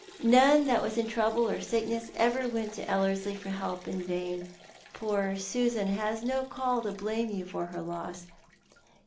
None that was in trouble or sickness ever went to Ellerslie for help in vain. Poor Susan has no call to blame you for her loss.